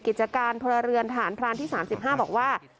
กิจการพลเรือนทหารพลานที่สามสิบห้าบอกว่า